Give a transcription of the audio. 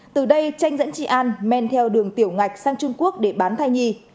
từ đây tranh dẫn chị an men theo đường tiểu ngạch sang trung quốc để bán thai nhi